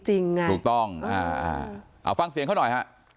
ถูกต้องฟังเสียงเขาหน่อย